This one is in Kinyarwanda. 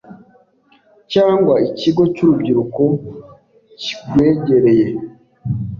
cyangwa ikigo cy’urubyiruko kigwegereye,